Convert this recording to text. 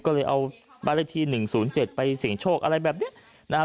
ก็เลยเอาบ้านเลขที่หนึ่งศูนย์เจ็ดไปสิ่งโชคอะไรแบบเนี้ยนะฮะ